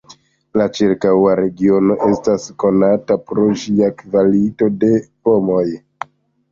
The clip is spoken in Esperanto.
La ĉirkaŭa regiono estas konata pro ĝia kvalito de pomoj.